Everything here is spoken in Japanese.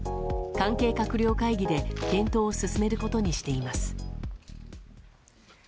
関係閣僚会議で検討を進めることにしています。